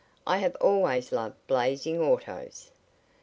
I have always loved blazing autos."